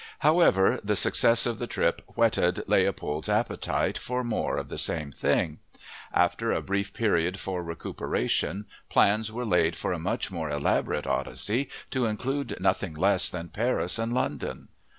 However, the success of the trip whetted Leopold's appetite for more of the same thing. After a brief period for recuperation, plans were laid for a much more elaborate odyssey to include nothing less than Paris and London.